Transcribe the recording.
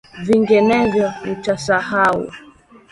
Vinginevyo nitasahau.